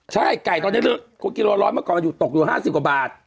ใช่ไก่ตอนนี้โลละ๑๐๐บาทเมื่อก่อนตกอยู่๕๐กว่าบาท